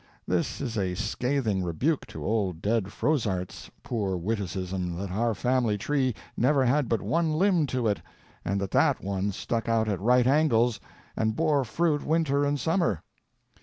This is a scathing rebuke to old dead Froissart's poor witticism that our family tree never had but one limb to it, and that that one stuck out at right angles, and bore fruit winter and summer.